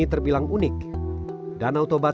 diselatikan umur saya di elak